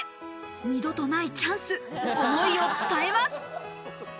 二度とないチャンス、思いを伝えます。